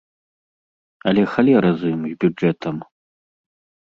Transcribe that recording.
Але халера з ім, з бюджэтам.